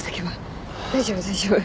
大丈夫大丈夫。